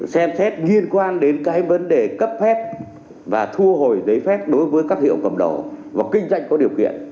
xem xét liên quan đến cái vấn đề cấp phép và thu hồi giấy phép đối với các hiệu cầm đầu hoặc kinh doanh có điều kiện